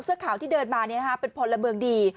เสื้อขาวที่เดินมาเป็นพลเมืองดี